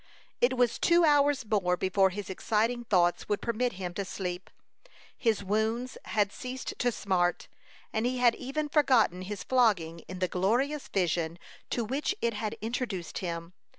It was two hours more before his exciting thoughts would permit him to sleep. His wounds had ceased to smart, and he had even forgotten his flogging in the glorious vision to which it had introduced him.